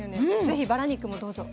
ぜひバラ肉もどうぞ。